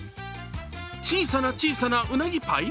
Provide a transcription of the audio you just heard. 小さな小さな、うなぎパイ？